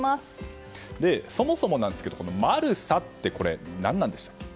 そもそもですがマルサって何なんでしたっけ？